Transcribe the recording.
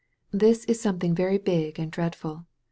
*'This is something very big and dreadful.